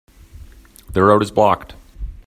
The road is blocked.